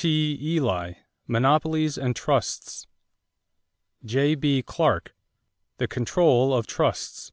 T. Ely, Monopolies and Trusts. J.B. Clark, The Control of Trusts.